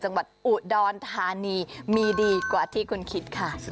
จังหวัดอุดรธานีมีดีกว่าที่คุณคิดค่ะ